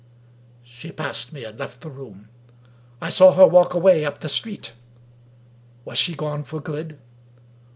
She passed me, and left the room. I saw her walk away up the street. Was she gone for good?